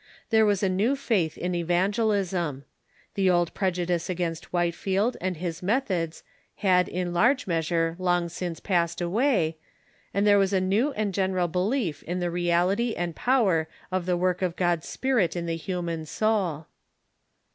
There was a new faith in evan gelism. The old prejudice against Whitefield and his meth ods had in large measure long since passed away, and there was a new and general belief in the reality and power of the work of God's Spirit in the human soul.